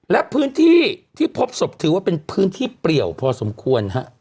และพื้นที่ที่พบศพถือว่าเป็นพื้นที่เปรียวพอสมควร